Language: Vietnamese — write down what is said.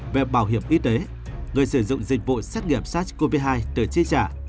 về bảo hiểm y tế người sử dụng dịch vụ xét nghiệm sars cov hai để chi trả